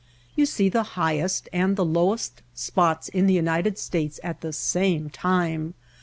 "You see the highest and the lowest spots in the United States at the same time.